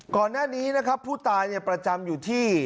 ก่อนหน้านี้นะครับผู้ตายประจำอยู่ที่